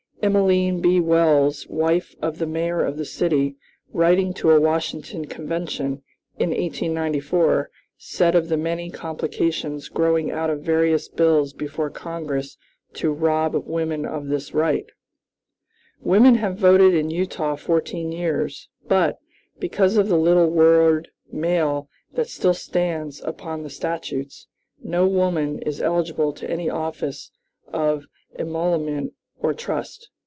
Emeline B. Wells, wife of the Mayor of the city, writing to a Washington convention, in 1894, said of the many complications growing out of various bills before Congress to rob women of this right: "Women have voted in Utah fourteen years, but, because of the little word 'male' that still stands upon the statutes, no woman is eligible to any office of emolument or trust.